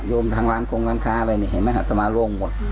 โยมทางร้านโครงร้านค้าอะไรเนี่ยเห็นมั้ยอัตตามาร่วมหมด